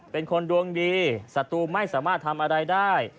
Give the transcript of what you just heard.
เป็นคนดวงดีศัตรูไม่สามารถทำอะไรได้